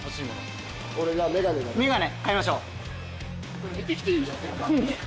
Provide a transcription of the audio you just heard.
眼鏡。